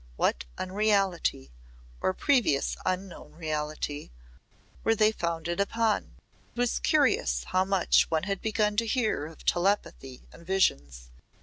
What unreality or previously unknown reality were they founded upon? It was curious how much one had begun to hear of telepathy and visions.